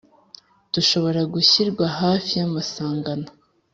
dushobora gushyirwa hafi y'amasangano.